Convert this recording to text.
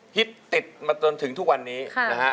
ฮิตติดมาจนถึงทุกวันนี้นะฮะ